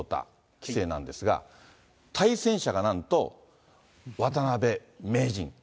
棋聖なんですが、対戦者がなんと、渡辺名人。